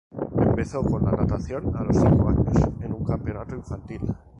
Empezó con la natación a los cinco años en un campeonato infantil.